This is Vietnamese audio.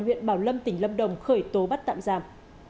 huyện bảo lâm tỉnh lâm đồng khởi tố bắt tạm giam